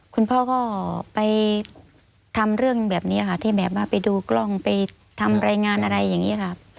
คุณพ่อก็ไปทำเรื่องแบบนี้ค่ะที่แบบว่าไปดูกล้องไปทำรายงานอะไรอย่างนี้ค่ะ